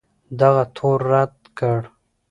دغه تور رد کړ